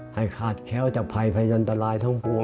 ให้ขาดแค้วจากภัยพยันตรายทั้งปวง